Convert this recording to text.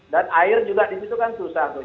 dan air juga di situ kan susah tuh